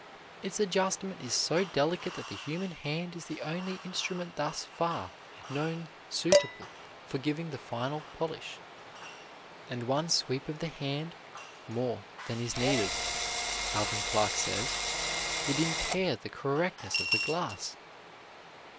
Its adjustment is so delicate that the human hand is the only instrument thus far known suitable for giving the final polish, and one sweep of the hand more than is needed, Alvan Clark says, would impair the correctness of the glass.